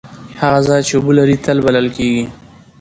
هغه ځای چې اوبه لري تل بلل کیږي.